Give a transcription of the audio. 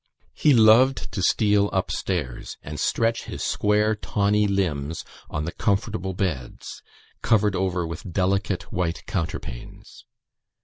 He loved to steal upstairs, and stretch his square, tawny limbs, on the comfortable beds, covered over with delicate white counterpanes.